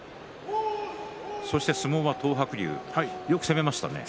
そして相撲は東白龍よく攻めましたね。